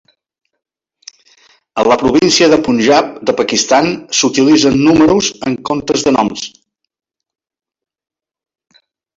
A la província de Punjab de Pakistan, s'utilitzen números en comptes de noms.